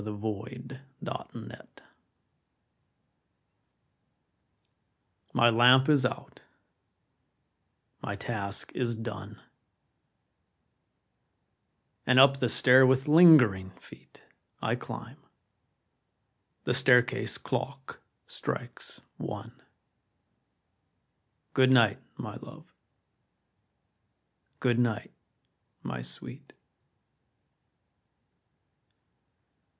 A LATE GOOD NIGHT My lamp is out, my task is done, And up the stair with lingering feet I climb. The staircase clock strikes one. Good night, my love! good night, my sweet!